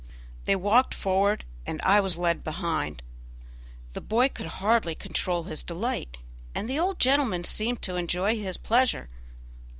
They walked forward, and I was led behind. The boy could hardly control his delight, and the old gentleman seemed to enjoy his pleasure.